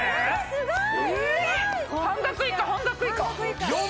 すごい。